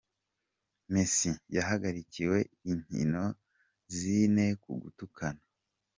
Messi yahagarikiwe inkino zine ku "gutukana".